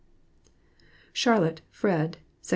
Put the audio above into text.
CHARLET FRED. Sec.